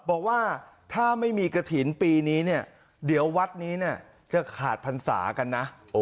บอกว่าถ้าไม่มีกระถิ่นปีนี้เนี่ยเดี๋ยววัดนี้เนี่ยจะขาดพรรษากันนะ